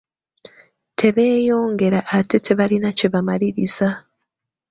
Tebeeyongera ate tebalina kye bamaliriza.